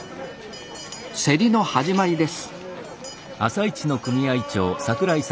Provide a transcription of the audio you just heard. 競りの始まりです